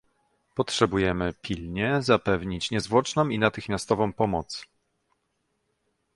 Potrzebujemy pilnie zapewnić niezwłoczną i natychmiastową pomoc